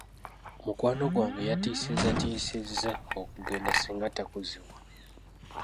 Mukwano gwange yatiisizzatiisizza okugenda singa takuzibwa.